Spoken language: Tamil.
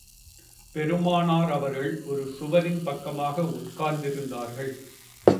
பெருமானார் அவர்கள் ஒரு சுவரின் பக்கமாக உட்கார்ந்திருந்தார்கள்.